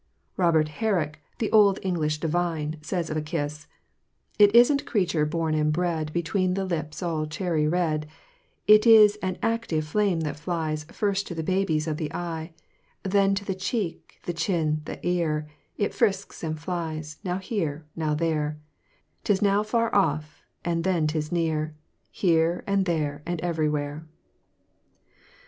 Robert Herrick, the old English divine, says of a kiss: It isn't creature born and bred Between the lips all cherry red; It is an active flame that flies First to the babies of the eyes; Then to the cheek, the chin, the ear; It frisks and flies—now here, now there; 'Tis now far off, and then 'tis near; Here and there and everywhere.